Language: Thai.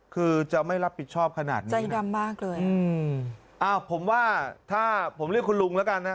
คือจะไม่รับผิดชอบขนาดนี้ใจดำมากเลยอืมอ้าวผมว่าถ้าผมเรียกคุณลุงแล้วกันนะ